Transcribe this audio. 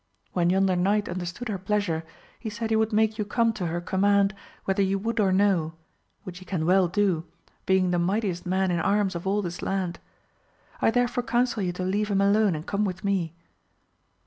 When yonder knight understood her pleasure he said he would make you come to her command whether you would or no, which he can well do, being the mightiest 2G6 AMADIS OF GAUL. man in arras of all this land. I therefore counsel you to leave him alone and come with me.